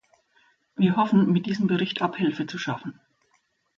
Wir hoffen, mit diesem Bericht Abhilfe zu schaffen.